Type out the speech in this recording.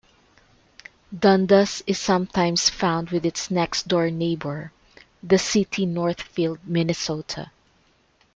Dundas is sometimes found with its next door neighbor the city Northfield, Minnesota.